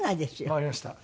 わかりました。